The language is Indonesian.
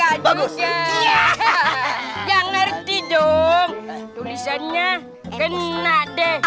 enggak ngerti dong tulisannya enak deh